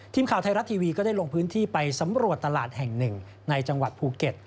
ทีมข่าวไทยรัฐทีวีก็ได้ลงพื้นที่ไปสำรวจตลาดแห่งหนึ่งในจังหวัดภูเก็ต